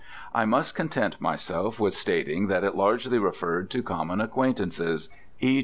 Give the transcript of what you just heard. I must content myself with stating that it largely referred to common acquaintances, e.